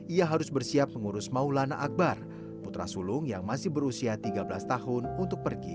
ia harus bersiap mengurus maulana akbar putra sulung yang masih berusia tiga belas tahun untuk pergi